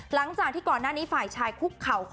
หลังจากที่ก่อนหน้านี้ฝ่ายชายคุกเข่า